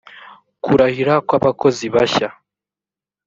kurahira kw abakozi bashya